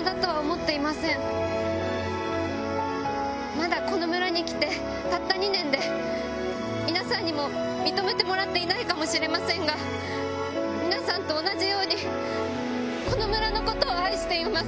まだこの村に来てたった２年で皆さんにも認めてもらっていないかもしれませんが皆さんと同じようにこの村のことを愛しています。